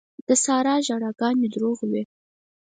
د سارا ژړاګانې دروغ وې.